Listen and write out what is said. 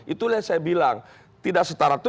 itulah yang saya bilang tidak setara itu